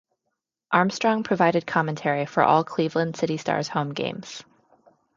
Armstrong provided commentary for all Cleveland City Stars home games.